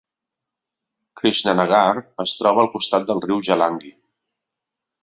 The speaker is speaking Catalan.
Krishnanagar es troba al costat del riu Jalangi.